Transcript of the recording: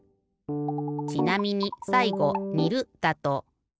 ちなみにさいご「にる」だと。